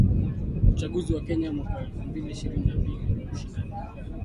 Uchaguzi wa Kenya mwaka wa elfu mbili ishirini na mbili: ushindani mkali.